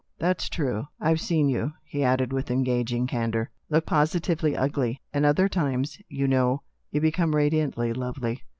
That's true. I've seen you," he added with engaging candour, "look posi tively ugly. And other times, you know, you become radiantly lovely."